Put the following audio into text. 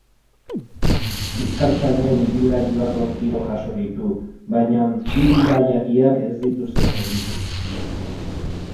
Bizkartzainen ibilgailuak lau tiro jaso ditu, baina bi bidaiariak ez dituzte zauritu.